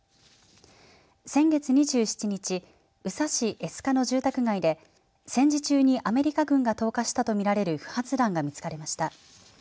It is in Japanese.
先月２７日宇佐市江須賀の住宅街で戦時中にアメリカ軍が投下したとみられる不発弾が見つかりました。